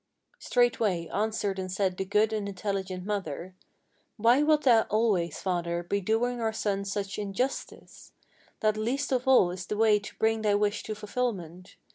Straightway answered and said the good and intelligent mother: "Why wilt thou always, father, be doing our son such injustice? That least of all is the way to bring thy wish to fulfilment.